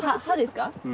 「は」ですか？